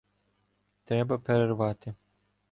Треба перервати.